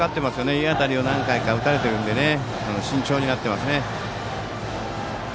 いい当たりを何回か打たれているので慎重になっていますね。